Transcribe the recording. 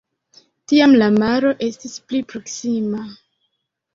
Tiam la maro estis pli proksima.